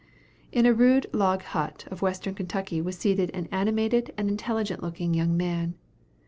In a rude log hut of Western Kentucky was seated an animated and intelligent looking young man.